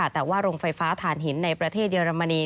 แต่ว่าโรงไฟฟ้าฐานหินในประเทศเยอรมนี